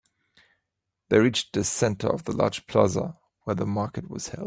They reached the center of a large plaza where the market was held.